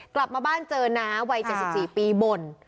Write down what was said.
กลับมาบ้านเจอน้าวัย๗๔ปีบ่น